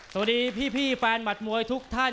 สวัสดีพี่แฟนหมัดมวยทุกท่าน